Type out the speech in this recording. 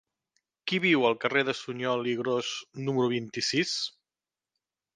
Qui viu al carrer de Suñol i Gros número vint-i-sis?